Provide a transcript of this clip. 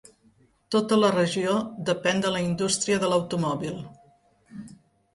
Tota la regió depèn de la indústria de l'automòbil.